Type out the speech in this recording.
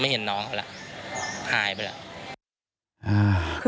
เห็นน้องเขาแล้วหายไปแล้ว